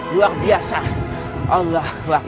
luar biasa allah wakbar